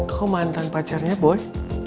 kok mantan pacarnya boy